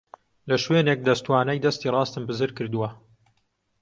لە شوێنێک دەستوانەی دەستی ڕاستم بزر کردووە.